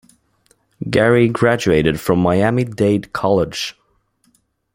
Gary graduated from Miami Dade College.